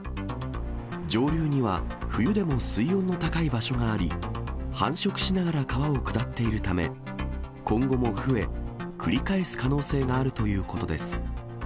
上流には、冬でも水温の高い場所があり、繁殖しながら川を下っているため、今後も増え、繰り返す可能性があるということです。